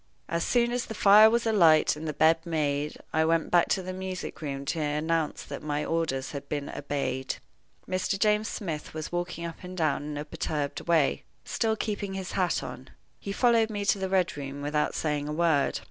As soon as the fire was alight and the bed made, I went back to the music room to announce that my orders had been obeyed. Mr. James Smith was walking up and down in a perturbed way, still keeping his hat on. He followed me to the Red Room without saying a word.